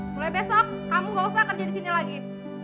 mulai besok kamu gak usah kerja di sini lagi